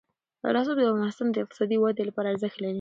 رسوب د افغانستان د اقتصادي ودې لپاره ارزښت لري.